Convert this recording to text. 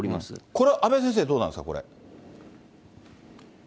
これ、阿部先生、どうなんですか、これ。